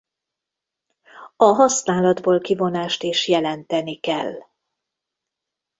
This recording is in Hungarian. A használatból kivonást is jelenteni kell.